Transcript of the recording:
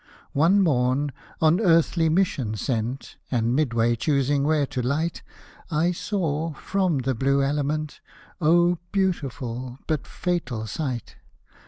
One morn, on earthly mission sent, And mid way choosing where to light, I saw, from the blue element — Oh beautiful, but fatal sight